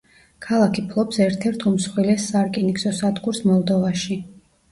ქალაქი ფლობს ერთ-ერთ უმსხვილეს სარკინიგზო სადგურს მოლდოვაში.